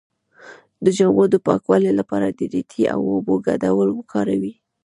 د جامو د پاکوالي لپاره د ریټې او اوبو ګډول وکاروئ